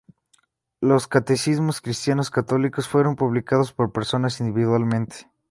Los catecismos cristianos católicos fueron publicados por personas individualmente.